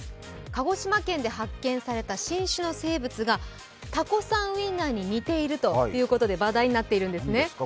鹿児島県で発見された新種の生物がたこさんウインナーに似ているということで話題になっているんですね。